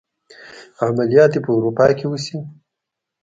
عملیات دې په اروپا کې وشي.